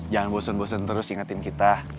jangan bosan bosan terus ingetin kita